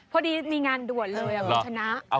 พอดีมีงานด่วนเลยคุณชนะ